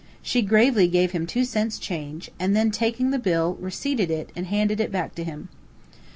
She gravely gave him two cents change, and then taking the bill, receipted it, and handed it back to him.